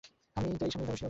আমি তো এই সামনে যাবো সিউর?